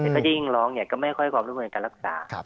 ถ้าที่ยิ่งลองเนี่ยก็ไม่ค่อยความร่วมเมืองการรักษา